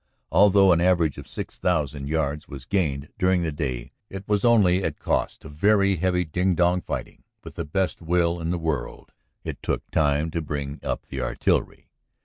Although an average of six thousand yards was gained during the day, it was only at cost of very heavy ding dong fighting. With the best will in the world it took time to bring up the artillery.